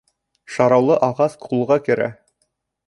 Шыраулы ағас ҡулға керә.